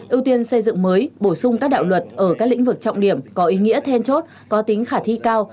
ưu tiên xây dựng mới bổ sung các đạo luật ở các lĩnh vực trọng điểm có ý nghĩa then chốt có tính khả thi cao